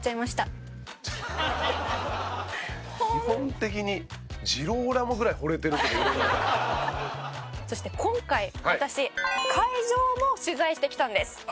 基本的にそして今回私会場も取材してきたんです。